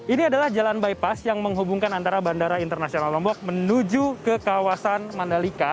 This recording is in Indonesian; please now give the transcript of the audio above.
ini adalah jalan bypass yang menghubungkan antara bandara internasional lombok menuju ke kawasan mandalika